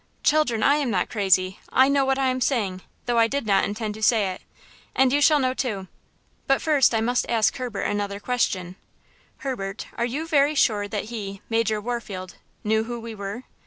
"Children, I am not crazy! I know what I am saying, though I did not intend to say it! And you shall know, too! But first I must ask Herbert another question: Herbert, are you very sure that he–Major Warfield–knew who we were?"